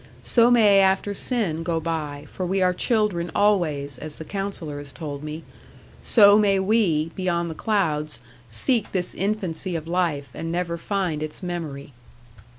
So may after sin go by, for we are children always, as the Counsellor has told me; so may we, beyond the clouds, seek this infancy of life, and never find its memory.